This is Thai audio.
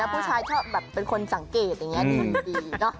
ผู้ชายชอบแบบเป็นคนสังเกตอย่างนี้ดี